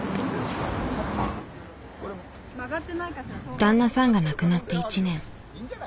旦那さんが亡くなって１年。